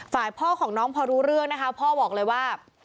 ฝ่ายพ่อของน้องพอรู้เรื่องนะคะพ่อบอกเลยว่า